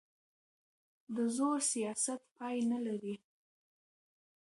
د زور سیاست پای نه لري